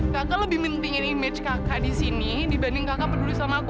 kakak lebih mendingin image kakak di sini dibanding kakak peduli sama aku